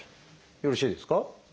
よろしいですか？